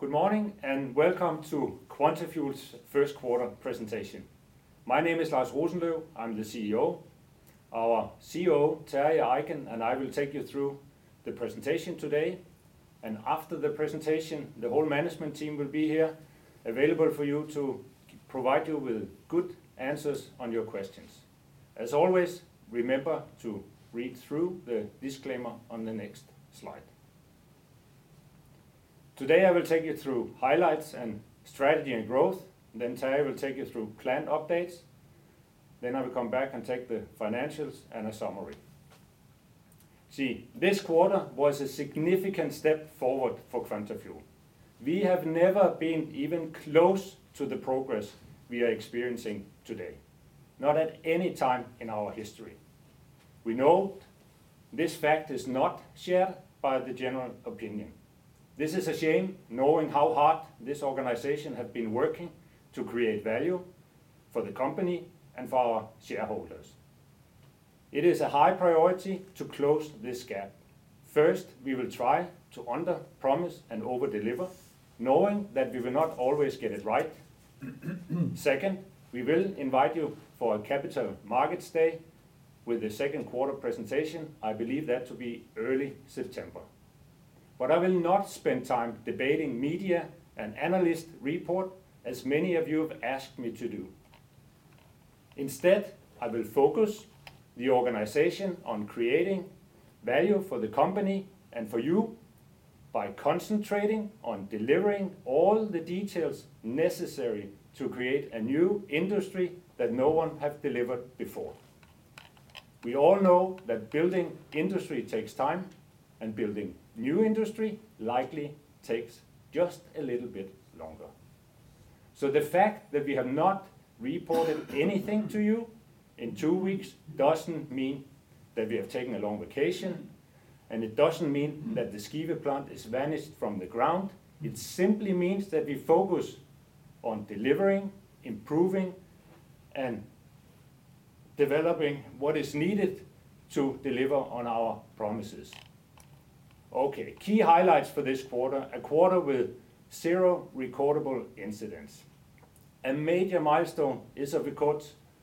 Good morning, and welcome to Quantafuel's Q1 presentation. My name is Lars Rosenløv, I'm the CEO. Our COO, Terje Eiken, and I will take you through the presentation today, and after the presentation, the whole management team will be here available for you to provide you with good answers on your questions. As always, remember to read through the disclaimer on the next slide. Today, I will take you through highlights and strategy and growth. Then Terje will take you through plant updates. Then I will come back and take the financials and a summary. See, this quarter was a significant step forward for Quantafuel. We have never been even close to the progress we are experiencing today, not at any time in our history. We know this fact is not shared by the general opinion. This is a shame knowing how hard this organization have been working to create value for the company and for our shareholders. It is a high priority to close this gap. First, we will try to underpromise and overdeliver, knowing that we will not always get it right. Second, we will invite you for a capital markets day with the Q2 presentation, I believe that to be early September. I will not spend time debating media and analyst report as many of you have asked me to do. Instead, I will focus the organization on creating value for the company and for you by concentrating on delivering all the details necessary to create a new industry that no one have delivered before. We all know that building industry takes time and building new industry likely takes just a little bit longer. The fact that we have not reported anything to you in two weeks doesn't mean that we have taken a long vacation, and it doesn't mean that the Skive plant is vanished from the ground. It simply means that we focus on delivering, improving, and developing what is needed to deliver on our promises. Okay. Key highlights for this quarter, a quarter with zero recordable incidents. A major milestone is of record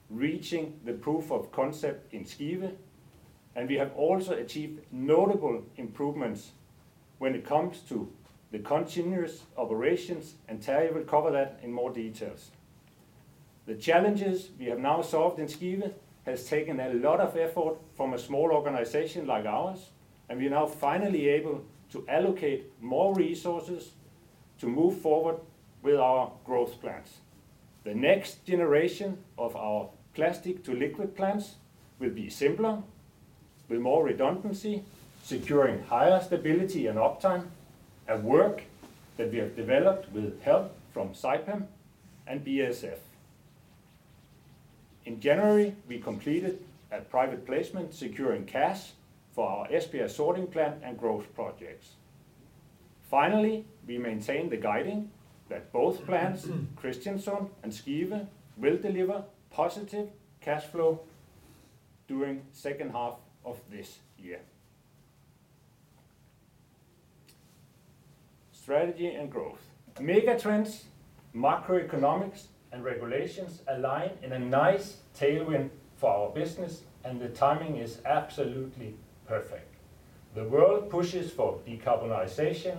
reaching the proof of concept in Skive, and we have also achieved notable improvements when it comes to the continuous operations, and Terje will cover that in more details. The challenges we have now solved in Skive has taken a lot of effort from a small organization like ours, and we are now finally able to allocate more resources to move forward with our growth plans. The next generation of our plastic-to-liquid plants will be simpler, with more redundancy, securing higher stability and uptime, a work that we have developed with help from Saipem and BASF. In January, we completed a private placement securing cash for our Esbjerg sorting plant and growth projects. Finally, we maintain the guidance that both plants, Kristiansund and Skive, will deliver positive cash flow during second half of this year. Strategy and growth. Megatrends, macroeconomics, and regulations align in a nice tailwind for our business, and the timing is absolutely perfect. The world pushes for decarbonization,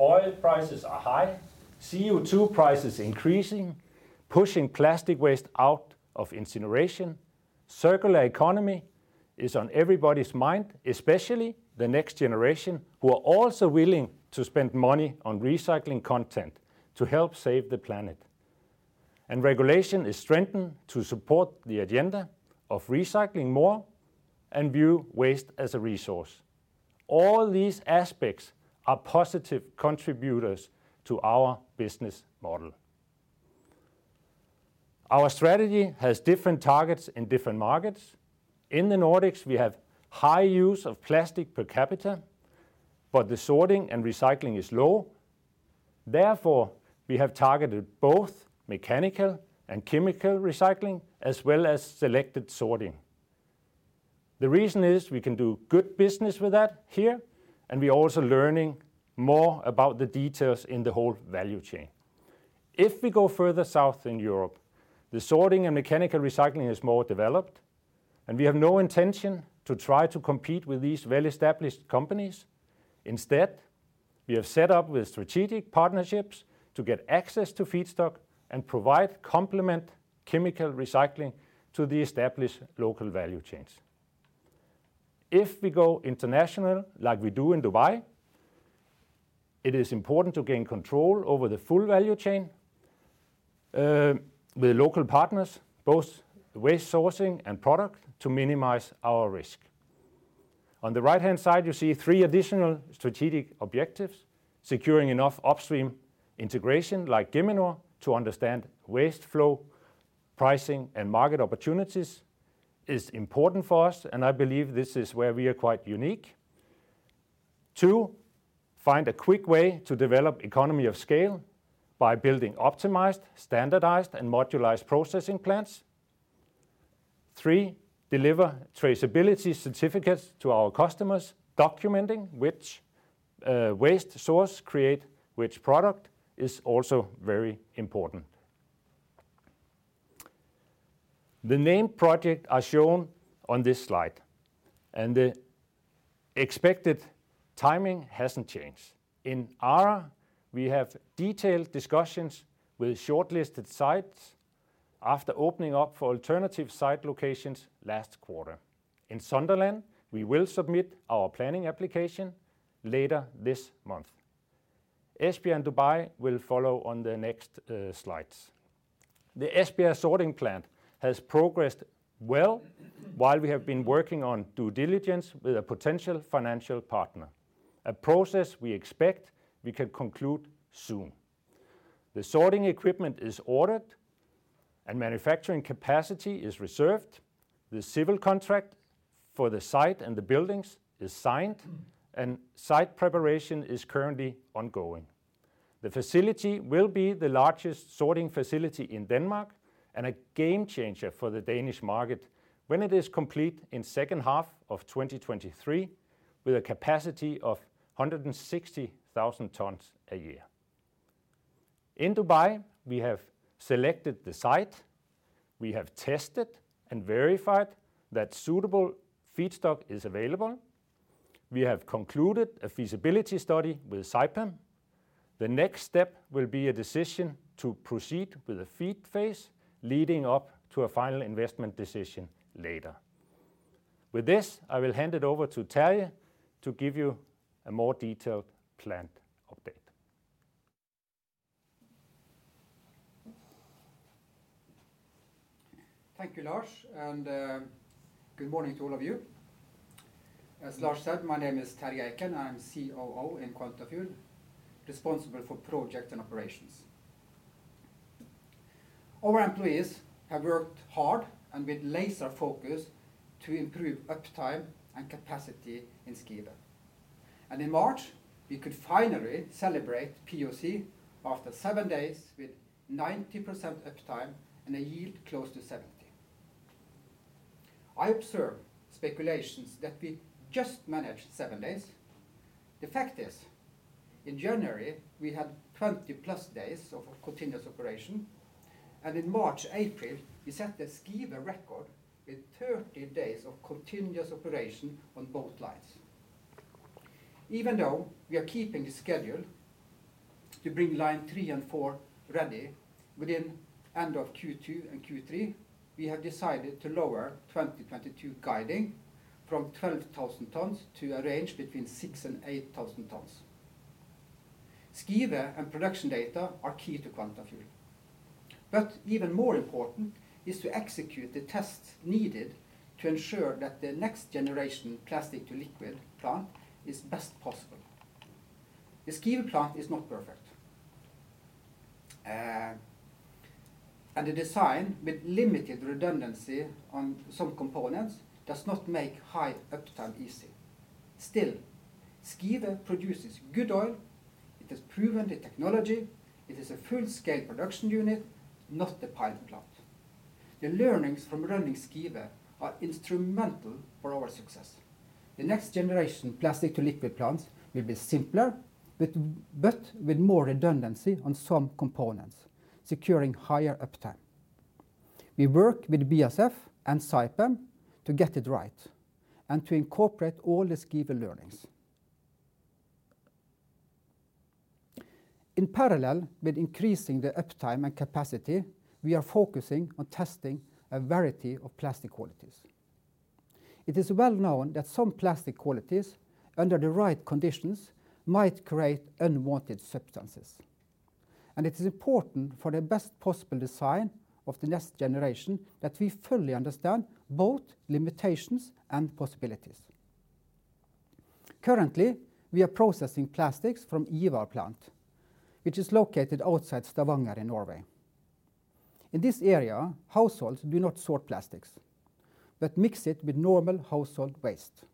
oil prices are high, CO2 price is increasing, pushing plastic waste out of incineration. Circular economy is on everybody's mind, especially the next generation, who are also willing to spend money on recycling content to help save the planet. Regulation is strengthened to support the agenda of recycling more and view waste as a resource. All these aspects are positive contributors to our business model. Our strategy has different targets in different markets. In the Nordics, we have high use of plastic per capita, but the sorting and recycling is low. Therefore, we have targeted both mechanical and chemical recycling, as well as selected sorting. The reason is we can do good business with that here, and we're also learning more about the details in the whole value chain. If we go further south in Europe, the sorting and mechanical recycling is more developed, and we have no intention to try to compete with these well-established companies. Instead, we have set up strategic partnerships to get access to feedstock and provide complementary chemical recycling to the established local value chains. If we go international, like we do in Dubai, it is important to gain control over the full value chain, with local partners, both waste sourcing and product, to minimize our risk. On the right-hand side, you see three additional strategic objectives. Securing enough upstream integration, like Geminor, to understand waste flow, pricing, and market opportunities is important for us, and I believe this is where we are quite unique. Two, find a quick way to develop economy of scale by building optimized, standardized, and modularized processing plants. Three, deliver traceability certificates to our customers documenting which waste source create which product is also very important. The main project are shown on this slide, and the expected timing hasn't changed. In Aarhus, we have detailed discussions with shortlisted sites after opening up for alternative site locations last quarter. In Sunderland, we will submit our planning application later this month. Esbjerg and Dubai will follow on the next slides. The Esbjerg sorting plant has progressed well while we have been working on due diligence with a potential financial partner, a process we expect we can conclude soon. The sorting equipment is ordered, and manufacturing capacity is reserved. The civil contract for the site and the buildings is signed, and site preparation is currently ongoing. The facility will be the largest sorting facility in Denmark and a game changer for the Danish market when it is complete in second half of 2023 with a capacity of 160,000 tons a year. In Dubai, we have selected the site. We have tested and verified that suitable feedstock is available. We have concluded a feasibility study with Saipem. The next step will be a decision to proceed with the FEED phase leading up to a final investment decision later. With this, I will hand it over to Terje to give you a more detailed plant update. Thank you, Lars, and good morning to all of you. As Lars said, my name is Terje Eiken. I'm COO of Quantafuel, responsible for project and operations. Our employees have worked hard and with laser focus to improve uptime and capacity in Skive. In March, we could finally celebrate POC after seven days with 90% uptime and a yield close to 70. I observe speculations that we just managed seven days. The fact is, in January, we had 20+ days of continuous operation, and in March, April, we set the Skive record with 30 days of continuous operation on both lines. Even though we are keeping the schedule to bring line three and four ready within end of Q2 and Q3, we have decided to lower 2022 guidance from 12,000 tons to a range between 6,000 tons and 8,000 tons. Skive and production data are key to Quantafuel, but even more important is to execute the tests needed to ensure that the next generation plastic-to-liquid plant is best possible. The Skive plant is not perfect. The design with limited redundancy on some components does not make high uptime easy. Still, Skive produces good oil. It has proven the technology. It is a full-scale production unit, not a pilot plant. The learnings from running Skive are instrumental for our success. The next generation plastic-to-liquid plants will be simpler but with more redundancy on some components, securing higher uptime. We work with BASF and Saipem to get it right and to incorporate all the Skive learnings. In parallel with increasing the uptime and capacity, we are focusing on testing a variety of plastic qualities. It is well known that some plastic qualities, under the right conditions, might create unwanted substances. It is important for the best possible design of the next generation that we fully understand both limitations and possibilities. Currently, we are processing plastics from IVAR plant, which is located outside Stavanger in Norway. In this area, households do not sort plastics but mix it with normal household waste.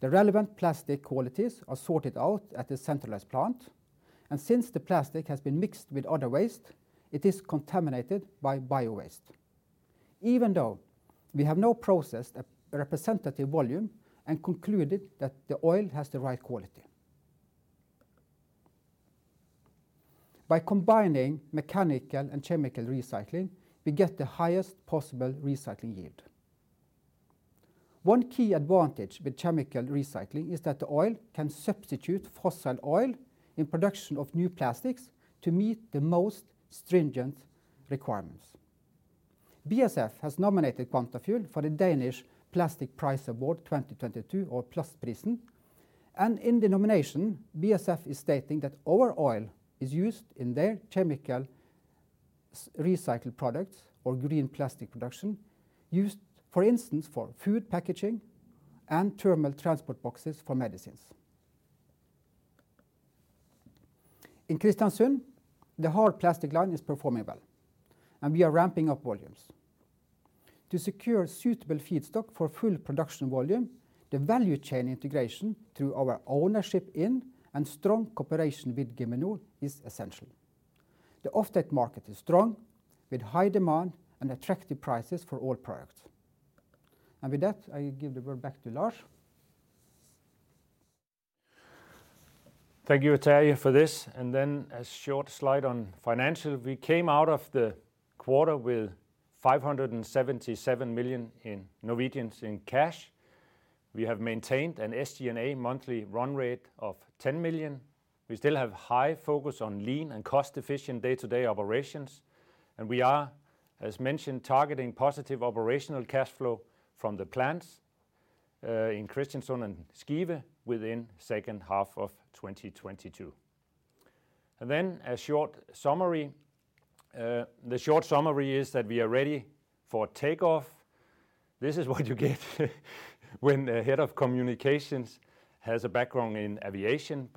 The relevant plastic qualities are sorted out at the centralized plant, and since the plastic has been mixed with other waste, it is contaminated by biowaste. Even though we have now processed a representative volume and concluded that the oil has the right quality. By combining mechanical and chemical recycling, we get the highest possible recycling yield. One key advantage with chemical recycling is that the oil can substitute fossil oil in production of new plastics to meet the most stringent requirements. BASF has nominated Quantafuel for the Danish Plastic Prize Award 2022 or Plastprisen, and in the nomination, BASF is stating that our oil is used in their chemical recycled products or green plastic production used, for instance, for food packaging and thermal transport boxes for medicines. In Kristiansund, the hard plastic line is performing well, and we are ramping up volumes. To secure suitable feedstock for full production volume, the value chain integration through our ownership in and strong cooperation with Geminor is essential. The off-take market is strong, with high demand and attractive prices for all products. With that, I give the word back to Lars. Thank you, Terje, for this. A short slide on financial. We came out of the quarter with 577 million in cash. We have maintained an SG&A monthly run rate of 10 million. We still have high focus on lean and cost-efficient day-to-day operations. We are, as mentioned, targeting positive operational cash flow from the plants in Kristiansund and Skive within second half of 2022. A short summary. The short summary is that we are ready for take off. This is what you get when the head of communications has a background in aviation.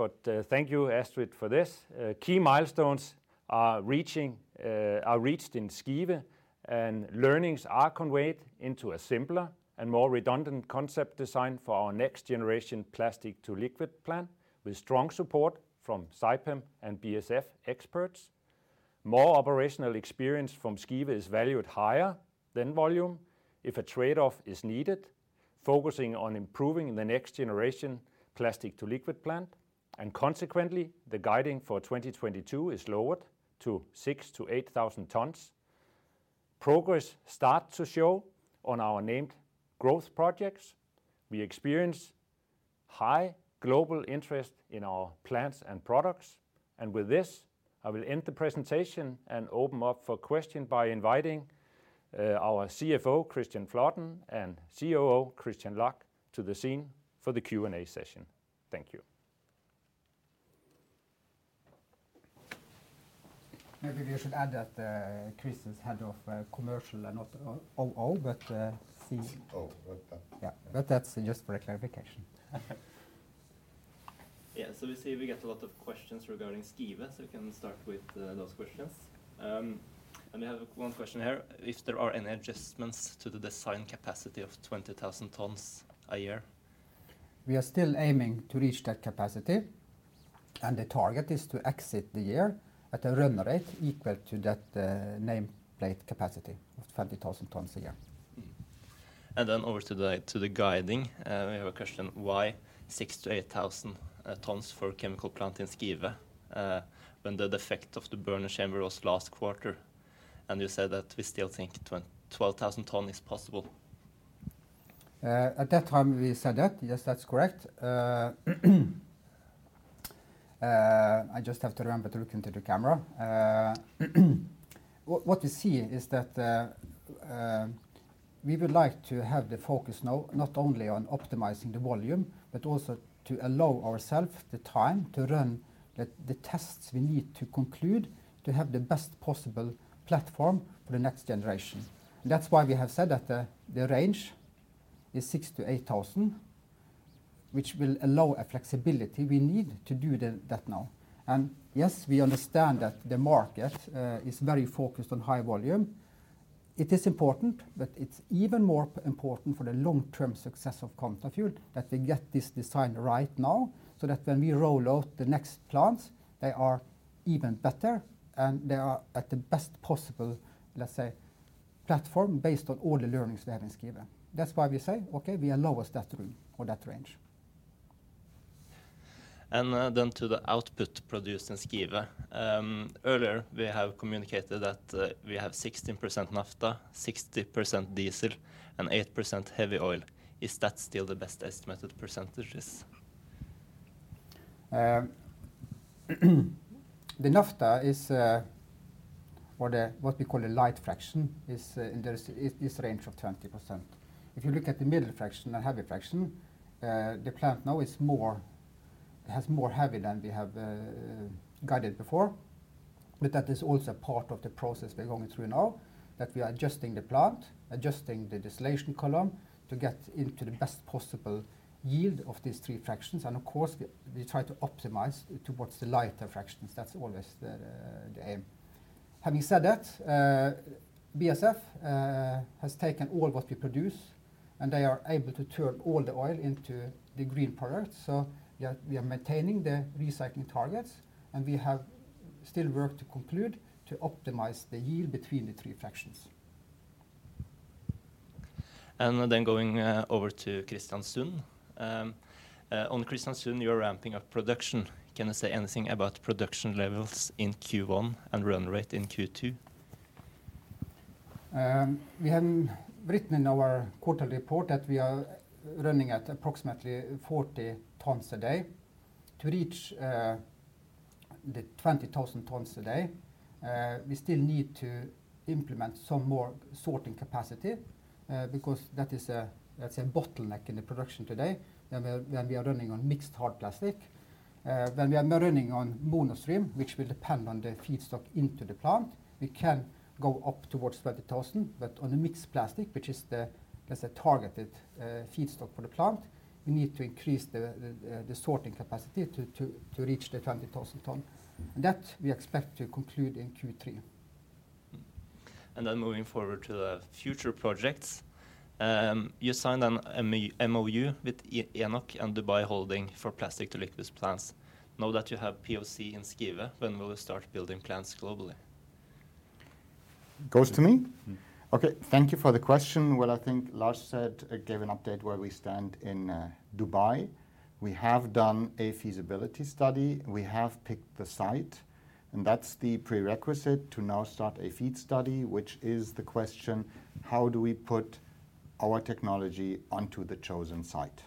Thank you, Astrid, for this. Key milestones are reached in Skive, and learnings are conveyed into a simpler and more redundant concept design for our next generation plastic-to-liquid plant, with strong support from Saipem and BASF experts. More operational experience from Skive is valued higher than volume if a trade-off is needed, focusing on improving the next generation plastic-to-liquid plant. Consequently, the guidance for 2022 is lowered to 6,000-8,000 tons. Progress starts to show on our named growth projects. We experience high global interest in our plants and products. With this, I will end the presentation and open up for questions by inviting our CFO, Kristian Flaten, and COO, Christian Lach, to the scene for the Q&A session. Thank you. Maybe we should add that Chris is head of commercial. Oh. Okay. Yeah. That's just for a clarification. We see we get a lot of questions regarding Skive, so we can start with those questions. We have one question here. If there are any adjustments to the design capacity of 20,000 tons a year? We are still aiming to reach that capacity, and the target is to exit the year at a run rate equal to that nameplate capacity of 20,000 tons a year. Mm-hmm. Over to the guidance, we have a question, why 6,000-8,000 tons for chemical plant in Skive when the defect of the burner chamber was last quarter? You said that we still think 12,000 tons is possible. At that time we said that. Yes, that's correct. I just have to remember to look into the camera. What you see is that we would like to have the focus now, not only on optimizing the volume, but also to allow ourselves the time to run the tests we need to conclude to have the best possible platform for the next generation. That's why we have said that the range is 6,000-8,000 tons, which will allow a flexibility we need to do that now. Yes, we understand that the market is very focused on high volume. It is important, but it's even more important for the long-term success of Quantafuel that we get this design right now so that when we roll out the next plants, they are even better and they are at the best possible, let's say, platform based on all the learnings we have in Skive. That's why we say, okay, we are lower in that range. To the output produced in Skive. Earlier we have communicated that we have 16% naphtha, 60% diesel, and 8% heavy oil. Is that still the best estimated percentages? The naphtha is, or the, what we call a light fraction, is in this range of 20%. If you look at the middle fraction and heavy fraction, the plant now is more, has more heavy than we have guided before. That is also part of the process we're going through now, that we are adjusting the plant, adjusting the distillation column to get into the best possible yield of these three fractions. Of course, we try to optimize towards the lighter fractions. That's always the aim. Having said that, BASF has taken all what we produce, and they are able to turn all the oil into the green products. Yeah, we are maintaining the recycling targets, and we have still work to conclude to optimize the yield between the three fractions. Going over to Kristiansund. On Kristiansund, you are ramping up production. Can you say anything about production levels in Q1 and run rate in Q2? We have written in our quarter report that we are running at approximately 40 tons a day. To reach the 20,000 tons a day, we still need to implement some more sorting capacity, because that is a, let's say, a bottleneck in the production today when we are running on mixed hard plastic. When we are running on mono stream, which will depend on the feedstock into the plant, we can go up towards 20,000. On a mixed plastic, which is the, let's say, targeted feedstock for the plant, we need to increase the sorting capacity to reach the 20,000 tons that we expect to conclude in Q3. Moving forward to the future projects, you signed an MoU with ENOC and Dubal Holding for plastic-to-liquids plants. Now that you have POC in Skive, when will you start building plants globally? Goes to me? Mm-hmm. Okay. Thank you for the question. Well, I think Lars said, gave an update where we stand in Dubai. We have done a feasibility study. We have picked the site, and that's the prerequisite to now start a FEED study, which is the question: how do we put our technology onto the chosen site?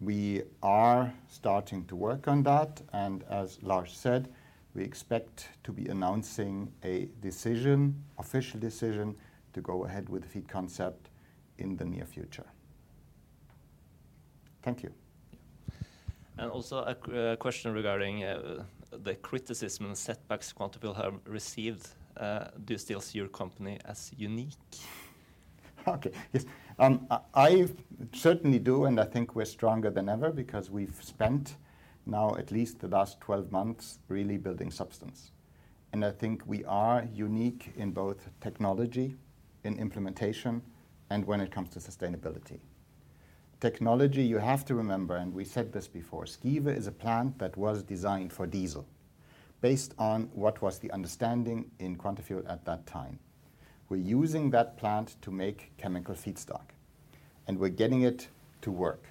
We are starting to work on that, and as Lars said, we expect to be announcing a decision, official decision, to go ahead with the FEED concept in the near future. Thank you. Also a question regarding the criticism and setbacks Quantafuel have received. Do you still see your company as unique? Okay. Yes. I certainly do, and I think we're stronger than ever because we've spent now at least the last 12 months really building substance, and I think we are unique in both technology, in implementation, and when it comes to sustainability. Technology, you have to remember, and we said this before, Skive is a plant that was designed for diesel based on what was the understanding in Quantafuel at that time. We're using that plant to make chemical feedstock, and we're getting it to work.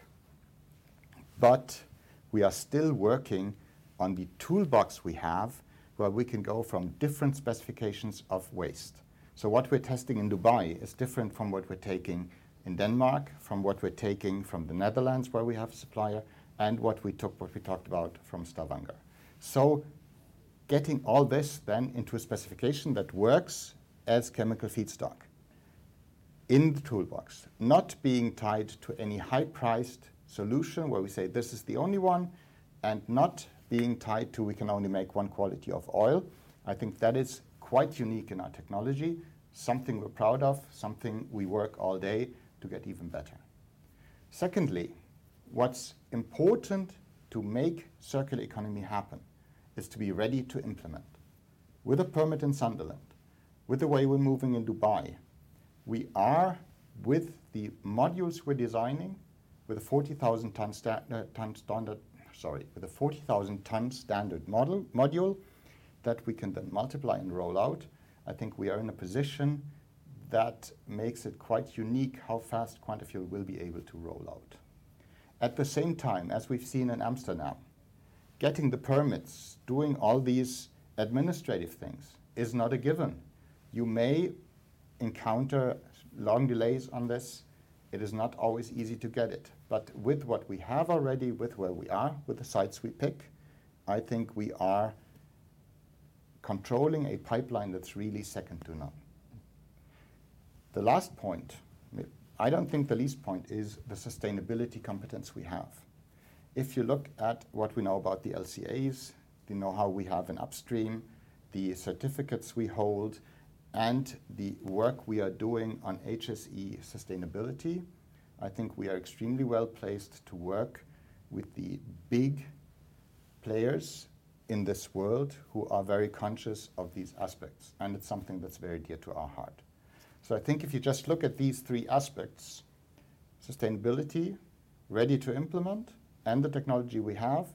We are still working on the toolbox we have, where we can go from different specifications of waste. What we're testing in Dubai is different from what we're taking in Denmark, from what we're taking from the Netherlands, where we have a supplier, and what we took, what we talked about from Stavanger. Getting all this then into a specification that works as chemical feedstock in the toolbox, not being tied to any high-priced solution where we say, "This is the only one," and not being tied to we can only make one quality of oil, I think that is quite unique in our technology, something we're proud of, something we work all day to get even better. Secondly, what's important to make circular economy happen is to be ready to implement. With a permit in Sunderland, with the way we're moving in Dubai, we are, with the modules we're designing, with a 40,000 tons standard module that we can then multiply and roll out, I think we are in a position that makes it quite unique how fast Quantafuel will be able to roll out. At the same time, as we've seen in Amsterdam, getting the permits, doing all these administrative things is not a given. You may encounter long delays on this. It is not always easy to get it. With what we have already, with where we are, with the sites we pick, I think we are controlling a pipeline that's really second to none. The last point, I don't think the least point, is the sustainability competence we have. If you look at what we know about the LCAs, you know how we have an upstream, the certificates we hold, and the work we are doing on HSE sustainability, I think we are extremely well-placed to work with the big players in this world who are very conscious of these aspects, and it's something that's very dear to our heart. I think if you just look at these three aspects, sustainability, ready to implement, and the technology we have,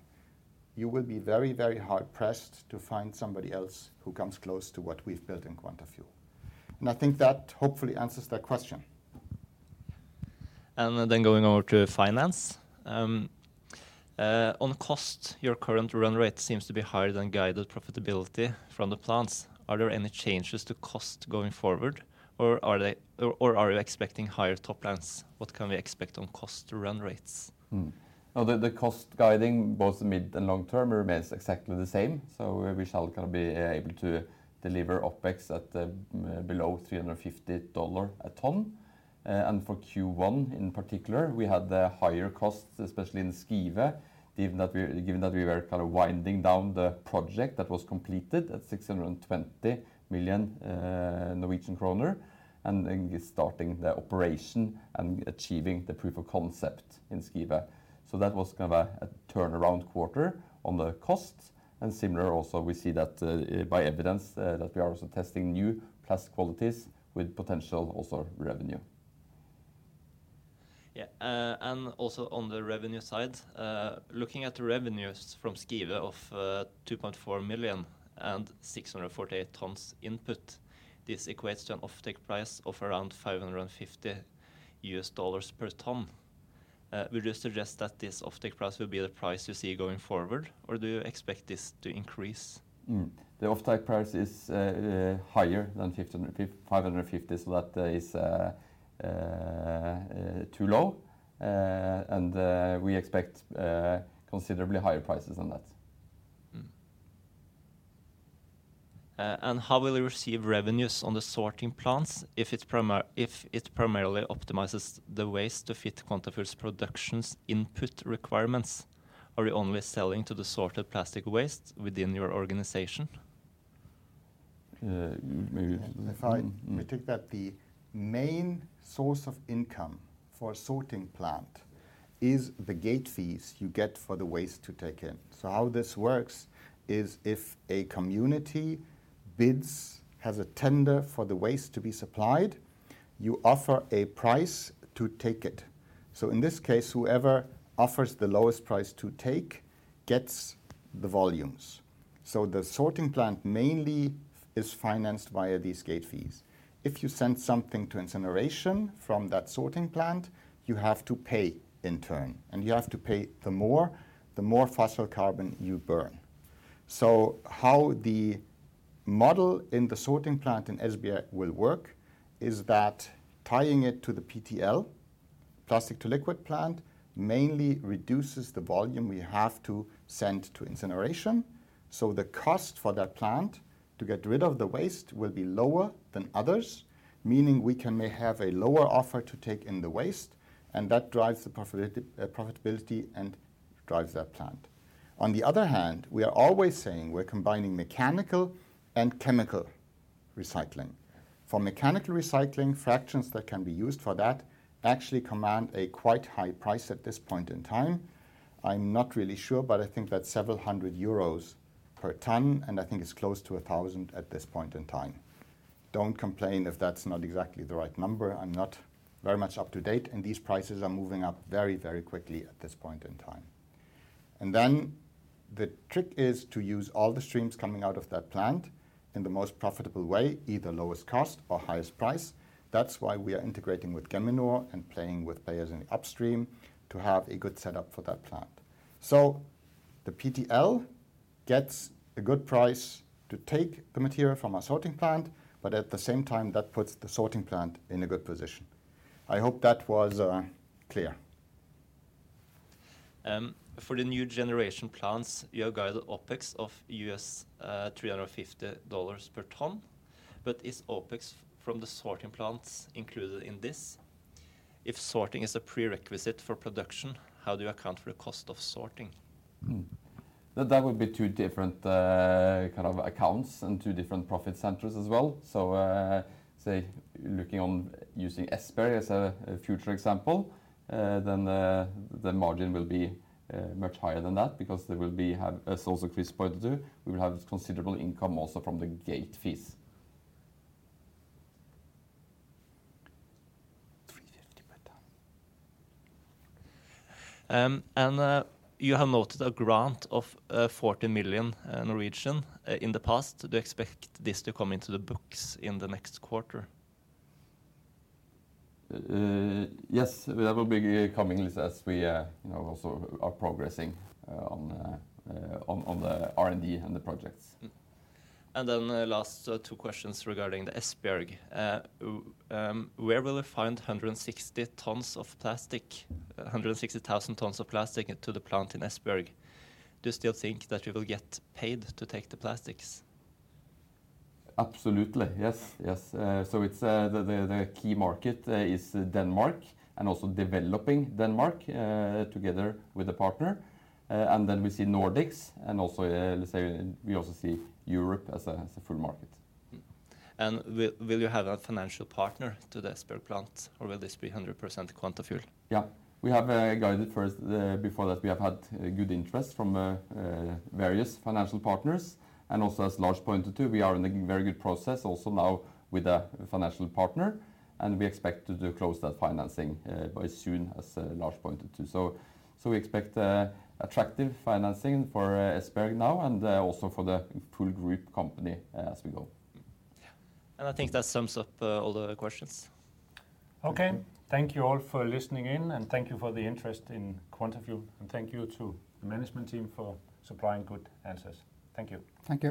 you will be very, very hard-pressed to find somebody else who comes close to what we've built in Quantafuel, and I think that hopefully answers that question. Going over to finance. On cost, your current run rate seems to be higher than guided profitability from the plants. Are there any changes to cost going forward, or are you expecting higher top lines? What can we expect on cost run rates? No, the cost guidance both the mid and long term remains exactly the same, so we shall kind of be able to deliver OpEx at below $350 a ton. For Q1 in particular, we had the higher costs, especially in Skive, given that we were kind of winding down the project that was completed at 620 million Norwegian kroner, and then starting the operation and achieving the proof of concept in Skive. That was kind of a turnaround quarter on the costs. Similar also, we see evidence that we are also testing new plastic qualities with potential also revenue. Yeah. Looking at the revenues from Skive of 2.4 million and 648 tons input, this equates to an offtake price of around $550 per ton. Would you suggest that this offtake price will be the price you see going forward, or do you expect this to increase? The offtake price is higher than 550, so that is too low, and we expect considerably higher prices than that. How will you receive revenues on the sorting plants if it primarily optimizes the waste to fit Quantafuel's production's input requirements? Are you only selling the sorted plastic waste within your organization? Uh, maybe. Let me take that. The main source of income for a sorting plant is the gate fees you get for the waste to take in. How this works is if a community bids, has a tender for the waste to be supplied, you offer a price to take it. In this case, whoever offers the lowest price to take gets the volumes. The sorting plant mainly is financed via these gate fees. If you send something to incineration from that sorting plant, you have to pay in turn, and you have to pay the more, the more fossil carbon you burn. How the model in the sorting plant in Esbjerg will work is that tying it to the PTL, plastic-to-liquid plant, mainly reduces the volume we have to send to incineration, so the cost for that plant to get rid of the waste will be lower than others, meaning we may have a lower offer to take in the waste, and that drives the profitability and drives that plant. On the other hand, we are always saying we're combining mechanical and chemical recycling. For mechanical recycling, fractions that can be used for that actually command a quite high price at this point in time. I'm not really sure, but I think that's several hundred Euros per ton, and I think it's close to 1,000 per ton at this point in time. Don't complain if that's not exactly the right number. I'm not very much up to date, and these prices are moving up very, very quickly at this point in time. Then the trick is to use all the streams coming out of that plant in the most profitable way, either lowest cost or highest price. That's why we are integrating with Geminor and playing with players in the upstream to have a good setup for that plant. The PTL gets a good price to take the material from our sorting plant, but at the same time, that puts the sorting plant in a good position. I hope that was clear. For the new generation plants, you have guided OpEx of $350 per ton. Is OpEx from the sorting plants included in this? If sorting is a prerequisite for production, how do you account for the cost of sorting? That would be two different kind of accounts and two different profit centers as well. Say, looking at using Esbjerg as a future example, then the margin will be much higher than that because, as also Christian pointed to, we will have considerable income also from the gate fees. NOK 350 per ton. You have noted a grant of 40 million in the past. Do you expect this to come into the books in the next quarter? Yes. That will be coming as we, you know, also are progressing on the R&D and the projects. The last two questions regarding Esbjerg. Where will we find 160,000 tons of plastic into the plant in Esbjerg? Do you still think that you will get paid to take the plastics? Absolutely, yes. Yes. It's the key market is Denmark and also developing Denmark together with a partner. Then we see Nordics and also, let's say we also see Europe as a full market. Will you have a financial partner to the Esbjerg plant, or will this be 100% Quantafuel? Yeah. We have guided first, before that, we have had good interest from various financial partners. Also, as Lars pointed to, we are in a very good process also now with a financial partner, and we expect to close that financing, by as soon as Lars pointed to. We expect attractive financing for Esbjerg now and also for the full group company as we go. I think that sums up all the questions. Okay. Thank you all for listening in, and thank you for the interest in Quantafuel. Thank you to the management team for supplying good answers. Thank you. Thank you.